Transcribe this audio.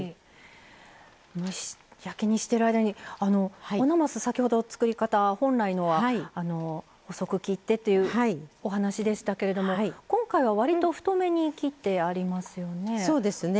蒸し焼きにしてる間におなます先ほど作り方、本来のは細く切ってというお話でしたけど今回はわりと太めに切ってありますよね。